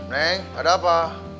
neng ada apa